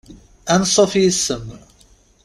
Ansuf yes-m.